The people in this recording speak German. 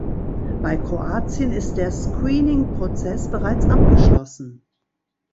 Bei Kroatien ist der Screening-Prozess bereits abgeschlossen.